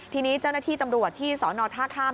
ทีนี้เจ้าหน้าที่ตำรวจที่สอนอท่าข้าม